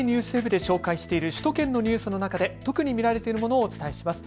ＮＨＫＮＥＷＳＷＥＢで紹介している首都圏のニュースの中で特に見られているものをお伝えします。